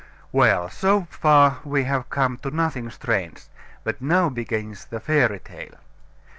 Well, so far we have come to nothing strange: but now begins the fairy tale.